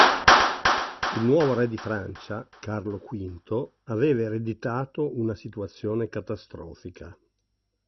Il nuovo re di Francia, Carlo V, aveva ereditato una situazione catastrofica.